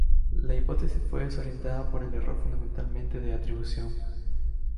La hipótesis fue desorientada por el error fundamental de atribución.